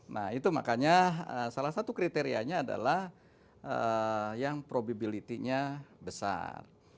nah itu makanya salah satu kriterianya adalah yang probability nya besar